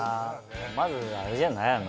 まずあれじゃない？